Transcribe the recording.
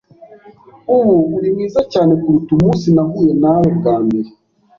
Ubu uri mwiza cyane kuruta umunsi nahuye nawe bwa mbere.